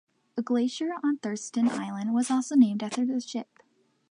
A glacier on Thurston Island was also named after the ship.